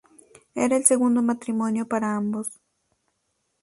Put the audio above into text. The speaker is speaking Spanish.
Era el segundo matrimonio para ambos.